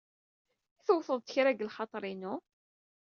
I tewted-d kra deg lxaḍer-inu?